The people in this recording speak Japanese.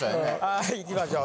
はいいきましょう。